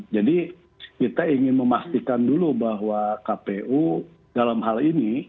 jadi kita ingin memastikan dulu bahwa kpu dalam hal ini